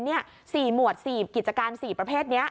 ๔หมวด๔กิจการ๔ประเภทนี้